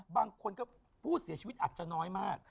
บางคนก็ผู้เสียชีวิตอาจจะน้อยมาก